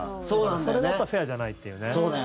それもやっぱりフェアじゃないっていうね。